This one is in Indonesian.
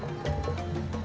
cinnamon jarangnroad modif